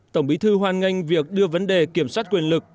tổng bí thư hoan nghênh việc đưa vấn đề kiểm soát quyền lực